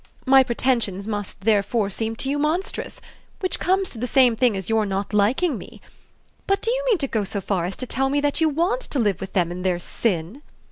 My pretensions must therefore seem to you monstrous which comes to the same thing as your not liking me. But do you mean to go so far as to tell me that you WANT to live with them in their sin?"